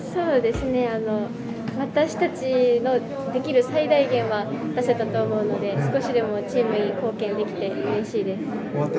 私たちのできる最大限は出せたと思うので少しでもチームに貢献できてうれしいです。